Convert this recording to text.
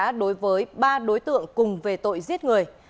truy nã đối với ba đối tượng cùng về tội giết người